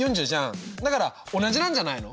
だから同じなんじゃないの？